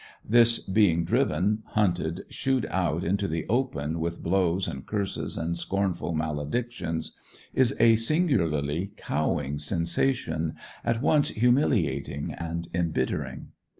This being driven, hunted, shooed out into the open with blows and curses and scornful maledictions, is a singularly cowing sensation, at once humiliating and embittering.